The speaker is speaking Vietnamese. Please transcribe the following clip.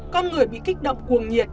con người bị kích động cuồng nhiệt